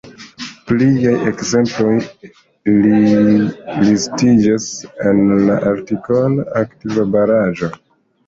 Pliaj ekzemploj listiĝas en la artikolo akvobaraĵo.